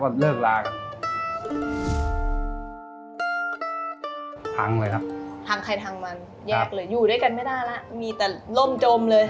มีลูกไหมคะขออนุญาต